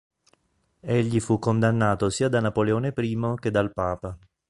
Egli fu condannato sia da Napoleone I che dal Papa.